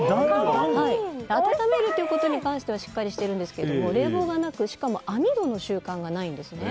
暖めるということに関してはしっかりしてるんですけど冷房がなく、しかも網戸の習慣がないんですね。